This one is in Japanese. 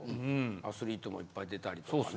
アスリートもいっぱい出たりとかね。